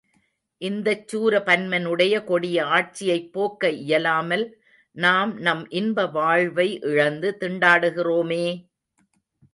இந்தச் சூரபன்மனுடைய கொடிய ஆட்சியைப் போக்க இயலாமல், நாம் நம் இன்ப வாழ்வை இழந்து திண்டாடுகிறோமே!